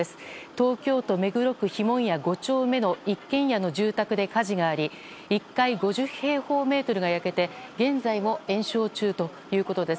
東京都目黒区碑文谷５丁目の一軒家の住宅で火事があり１階５０平方メートルが焼けて現在も延焼中ということです。